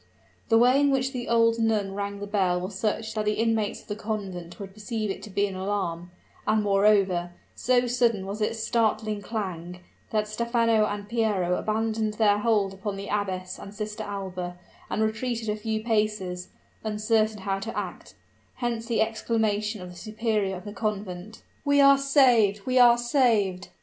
The way in which the old nun rang the bell was such that the inmates of the convent would perceive it to be an alarm; and moreover, so sudden was its startling clang, that Stephano and Piero abandoned their hold upon the abbess and Sister Alba, and retreated a few paces, uncertain how to act; hence the exclamation of the superior of the convent, "We are saved! we are saved!"